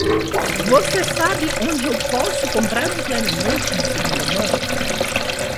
Você sabe onde eu posso comprar um clarinete de segunda mão?